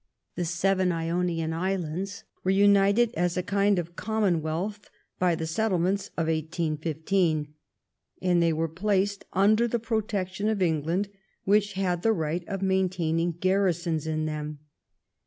The seven Ionian Islands were united as a kind of common wealth by the Settlements of 1815, and they were placed under the protection of England, which had the right of maintaining garrisons in them.